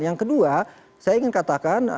yang kedua saya ingin katakan